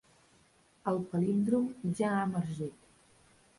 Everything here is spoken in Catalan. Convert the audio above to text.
El palíndrom ja ha emergit.